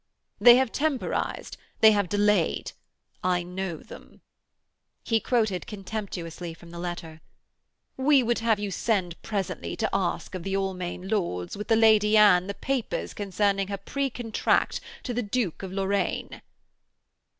'They have temporised, they have delayed. I know them.' He quoted contemptuously from the letter: 'We would have you send presently to ask of the Almain Lords with the Lady Anne the papers concerning her pre contract to the Duke of Lorraine.'